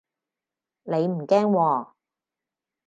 你唔驚喎